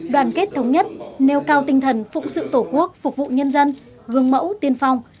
đoàn kết thống nhất nêu cao tinh thần phụng sự tổ quốc phục vụ nhân dân gương mẫu tiên phong